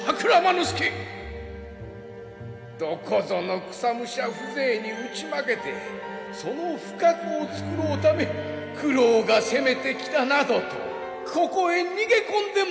どこぞの草武者風情に打ち負けてその不覚を繕うため九郎が攻めてきたなどとここへ逃げ込んでまいったのではないのか！？